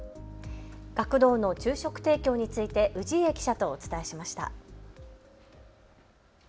学童の昼食提供について氏家記者とお伝えしました。